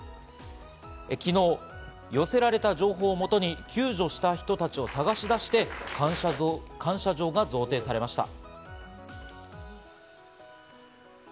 昨日、寄せられた情報を元に救助した人たちを捜し出して感謝状が贈呈されました。